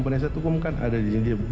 penasihat hukum kan ada di india